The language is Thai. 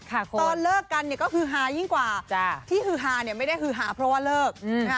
ตอนเลิกกันเนี่ยก็คือฮายิ่งกว่าที่ฮือฮาเนี่ยไม่ได้ฮือฮาเพราะว่าเลิก